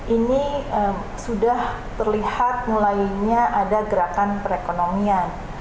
ini sudah terlihat mulainya ada gerakan perekonomian